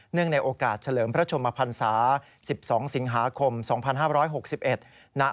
เนื่องในโอกาสเฉลิมพระชมพันศา๑๒สิงหาคมพุทธศักราชินินาธิ์๒๕๖๑